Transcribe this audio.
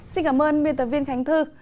xin cảm ơn biên tập viên khánh thư